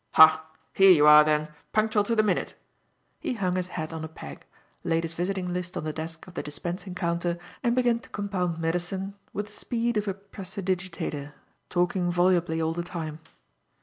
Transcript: "Ha! Here you are then! Punctual to the minute!" He hung his hat on a peg, laid his visiting list on the desk of the dispensing counter and began to compound medicine with the speed of a prestidigitateur, talking volubly all the time.